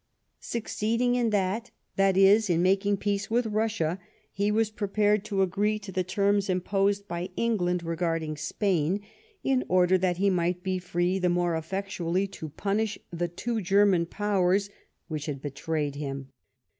Suc ceeding in that, that is, in making peace with llussia, lie was prepared to agree to the terms imposed by England regarding Spain, in order that he might be free the more effectually to punish the two German powers which had betrayed him.